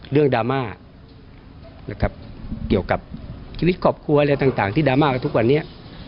ดราม่านะครับเกี่ยวกับชีวิตครอบครัวอะไรต่างที่ดราม่ากันทุกวันนี้